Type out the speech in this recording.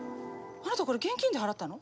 あなたこれ現金で払ったの？